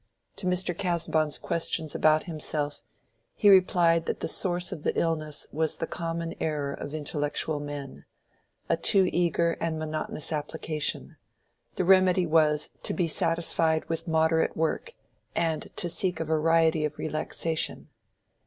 To Mr. Casaubon's questions about himself, he replied that the source of the illness was the common error of intellectual men—a too eager and monotonous application: the remedy was, to be satisfied with moderate work, and to seek variety of relaxation.